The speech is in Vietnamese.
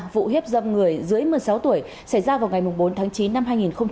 vụ hiếp dâm người dưới một mươi sáu tuổi xảy ra vào ngày bốn tháng chín năm hai nghìn một mươi chín